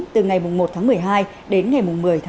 từ ngày một một mươi hai đến ngày một mươi một mươi hai